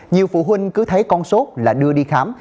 nhiều phụ huynh cứ thấy con sốt là đưa đi khám